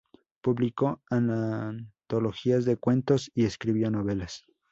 Publicó antologías de cuentos y escribió novelas.